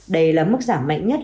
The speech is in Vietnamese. đây là mức giảm mạnh nhất